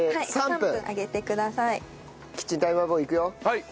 はい。